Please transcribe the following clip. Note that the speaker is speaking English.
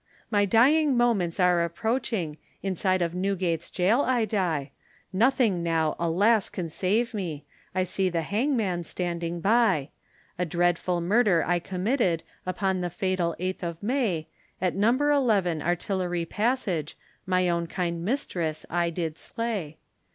My dying moments are approaching, Inside of Newgate's gaol I die, Nothing now, alas! can save me, I see the hangman standing by; A dreadful murder I committed, Upon the fatal eighth of May; At No. 11, Artillery Passage, My own kind mistress I did slay.